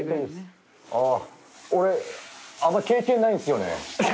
俺あんま経験ないんですよね。